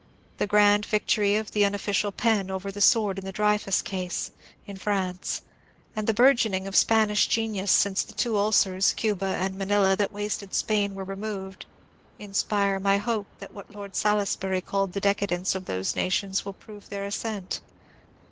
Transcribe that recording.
The grand victory of the unoffi cial pen over the sword in the Dreyfus case, in France, and the burgeoning of Spanish genius since the two ulcers — Cuba and Manila — that wasted Spain were removed, inspire my hope that what Lord Salisbury called the decadence of those nations will prove their ascent.